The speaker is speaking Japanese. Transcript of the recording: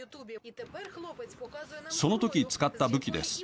その時使った武器です。